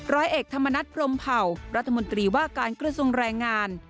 ร้อยเอกธรรมนัฐพรมเผ่ารัฐมนตรีว่าการกระทรวงแรงงาน